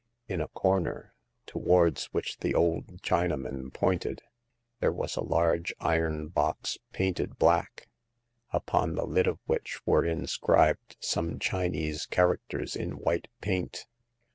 In a corner, towards which the old Chinaman pointed, there was a large iron box painted black, upon the lid of which were in scribed some Chinese characters in white paint.